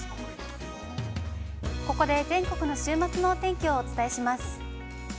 ◆ここで全国の週末のお天気をお伝えします。